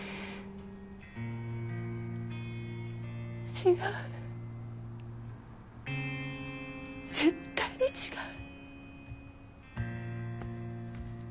違う絶対に違う。